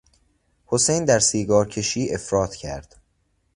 حسین در سیگارکشی افراط کرد.